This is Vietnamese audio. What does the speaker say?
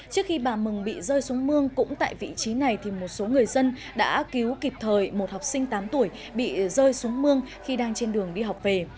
trước khi bà mừng bị rơi xuống mương cũng tại vị trí này thì một số người dân đã cứu kịp thời một học sinh tám tuổi bị rơi xuống mương khi đang trên đường đi học về